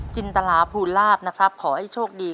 จินตลาภูลาภนะครับขอให้โชคดี